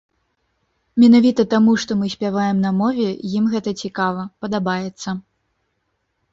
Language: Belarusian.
Менавіта таму, што мы спяваем на мове, ім гэта цікава, падабаецца.